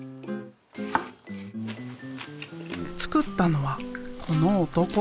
作ったのはこの男。